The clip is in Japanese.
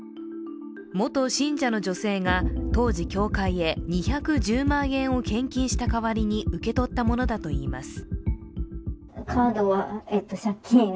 元信者の女性が、当時、教会へ２１０万円を献金した代わりに受け取ったものだといいます。